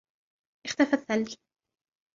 اختفى الثلج.